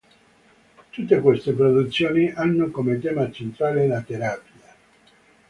Tutte queste produzioni hanno come tema centrale la terapia.